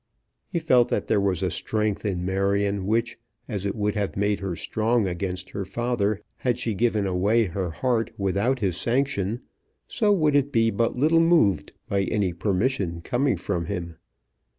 He felt that there was a strength in Marion which, as it would have made her strong against her father had she given away her heart without his sanction, so would it be but little moved by any permission coming from him.